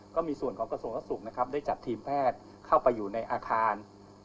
ก็มีส่วนของกฎศูนย์รักษาสูรรณัยได้จัดทีมแพทย์เข้าไปอยู่ในอาคาร